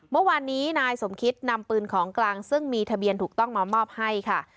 เมื่อวานนี้นายสมคิดนำปืนของกลางซึ่งมีทะเบียนถูกต้องมามอบให้ค่ะ